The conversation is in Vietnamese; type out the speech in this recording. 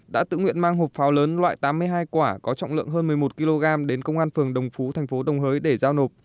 đã tự nguyện mang hộp pháo lớn loại tám mươi hai quả có trọng lượng hơn một mươi một kg đến công an phường đồng phú thành phố đồng hới để giao nộp